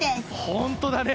本当だね。